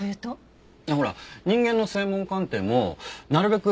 ほら人間の声紋鑑定もなるべく